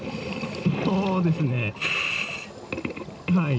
そうですねはい。